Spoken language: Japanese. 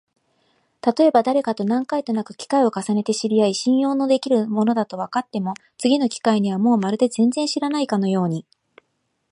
たとえばだれかと何回となく機会を重ねて知り合い、信用のできる者だとわかっても、次の機会にはもうまるで全然知らないかのように、